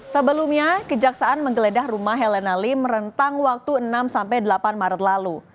sebelumnya kejaksaan menggeledah rumah helena lim rentang waktu enam delapan maret lalu